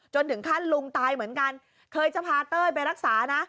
ถึงขั้นลุงตายเหมือนกันเคยจะพาเต้ยไปรักษานะ